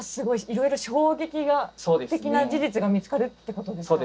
いろいろ衝撃的な事実が見つかるってことですか。